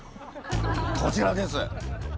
こちらです。